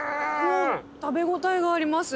食べ応えがあります。